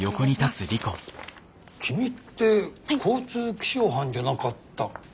君って交通気象班じゃなかったっけ？